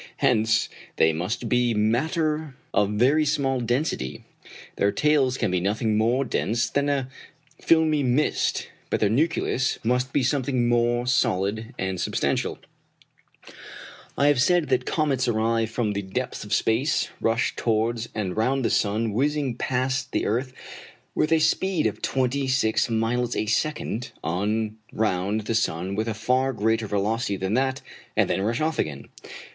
Hence they must be matter of very small density; their tails can be nothing more dense than a filmy mist, but their nucleus must be something more solid and substantial. [Illustration: FIG. 100. Various appearances of Halley's comet when last seen.] I have said that comets arrive from the depths of space, rush towards and round the sun, whizzing past the earth with a speed of twenty six miles a second, on round the sun with a far greater velocity than that, and then rush off again.